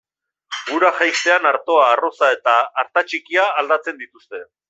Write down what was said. Ura jaistean artoa, arroza eta artatxikia aldatzen dituzte.